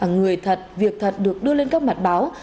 người thật việc thật được đưa lên các mặt báo